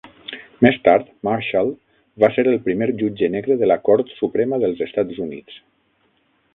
Més tard, Marshall va ser el primer jutge negre de la cort suprema dels Estats Units.